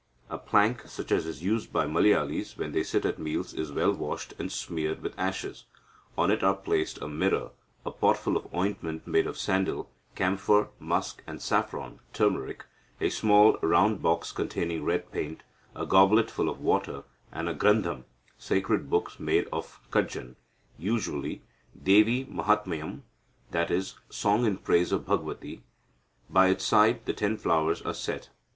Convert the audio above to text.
A plank, such as is used by Malayalis when they sit at meals, is well washed, and smeared with ashes. On it are placed a mirror, a potful of ointment made of sandal, camphor, musk, and saffron (turmeric), a small round box containing red paint, a goblet full of water, and a grandham (sacred book made of cadjan), usually Devi Mahathmyam, i.e., song in praise of Bhagavathi. By its side the ten flowers are set.